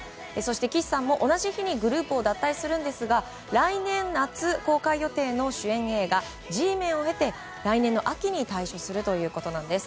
岸さんもグループを脱退するんですが来年夏、公開予定の主演映画「Ｇメン」を経て来年の秋に退所するということです。